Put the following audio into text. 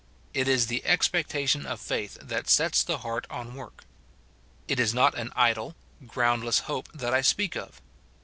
It is the ex pectation of faith that sets the heart on work. It is not an idle, groundless hope that I speak of.